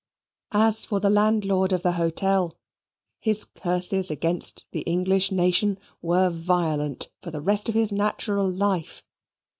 As for the landlord of the hotel, his curses against the English nation were violent for the rest of his natural life.